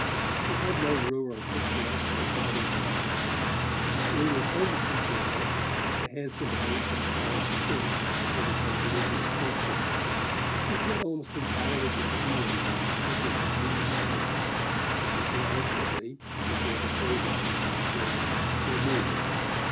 It had no rural picturesqueness of any kind. The only pleasant feature of it, the handsome and ancient parish church with its umbrageous churchyard, was then almost entirely concealed by a congress of mean shops, which were ultimately, before the close of my childhood, removed.